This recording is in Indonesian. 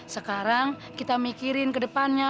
sekarang kita mikirin ke depannya